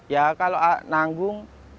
ya kalau nanggung